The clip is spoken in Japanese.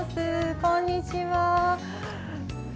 こんにちは。